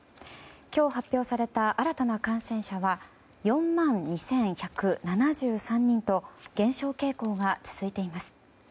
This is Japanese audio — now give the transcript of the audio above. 今日発表された新たな感染者は４万２１７３人と減少傾向が続いています。